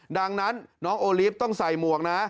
ดังนั้นน้องโอลิฟต์ต้องใส่หมวกนะ